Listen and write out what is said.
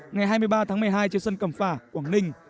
ngày hai mươi ba tháng một mươi hai trên sân cầm phả quảng ninh